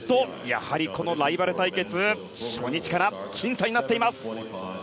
やはり、ライバル対決初日から僅差になっています。